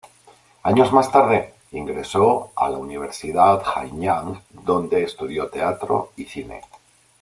Años más tarde, ingresó a la Universidad Hanyang donde estudió teatro y cine.